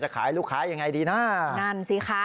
ขายลูกค้ายังไงดีนะนั่นสิคะ